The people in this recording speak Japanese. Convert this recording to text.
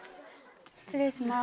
失礼します。